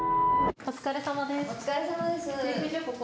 お疲れさまです。